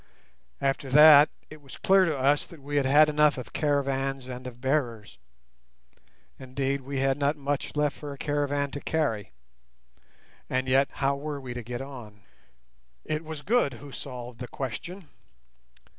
After that, it was clear to us that we had had enough of caravans and of bearers. Indeed, we had not much left for a caravan to carry. And yet, how were we to get on? It was Good who solved the question.